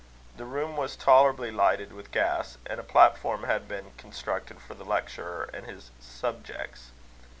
The room was tolerably lighted with gas; and a platform had been constructed for the lecturer and his subjects.